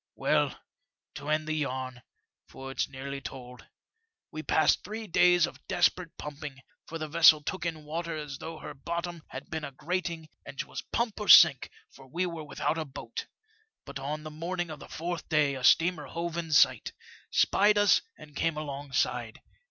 Well, to end the yam, for it's nearly told, we passed three days of desperate pumping, for the vessel took in water as though her bottom had been a grating, and 'twas pump or sink, for we were without a boat. But on the morning of the fourth day a steamer hove in sight, spied us and came alongside.